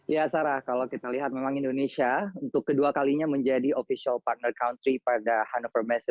ya sarah kalau kita lihat memang indonesia untuk kedua kalinya menjadi official partner country pada hanover messe dua ribu dua puluh tiga